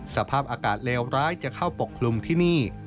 สภาพอากาศเลวร้ายจะเข้าปกคลุมที่นี่